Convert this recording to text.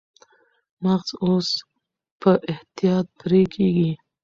مغز اوس په احتیاط پرې کېږي.